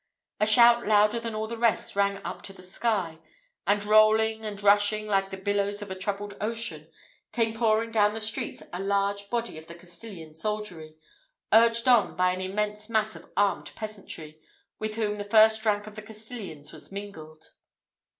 A shout louder than all the rest rang up to the sky; and rolling, and rushing, like the billows of a troubled ocean, came pouring down the street a large body of the Castilian soldiery, urged on by an immense mass of armed peasantry, with whom the first rank of the Castilians was mingled.